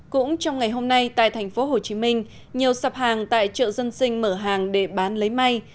cũng trong ngày hôm nay tại tp hcm nhiều sạp hàng tại chợ dân sinh mở hàng để bán lấy may